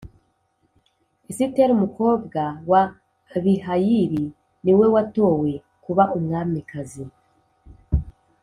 Esiteri umukobwa wa Abihayili niwe watowe kuba umwamikazi